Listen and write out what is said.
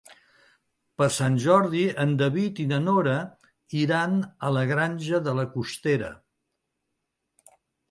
Per Sant Jordi en David i na Nora iran a la Granja de la Costera.